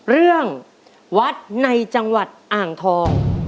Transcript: เรื่องวัดในจังหวัดอ่างทอง